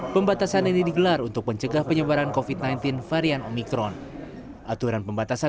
pembatasan ini digelar untuk mencegah penyebaran covid sembilan belas varian omikron aturan pembatasan